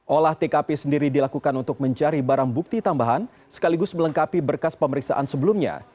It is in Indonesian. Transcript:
olah tkp sendiri dilakukan untuk mencari barang bukti tambahan sekaligus melengkapi berkas pemeriksaan sebelumnya